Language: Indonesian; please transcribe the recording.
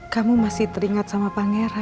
kamu masih teringat sama pangeran